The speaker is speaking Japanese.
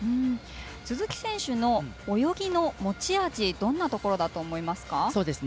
鈴木選手の泳ぎの持ち味はどんなところだと思いますか？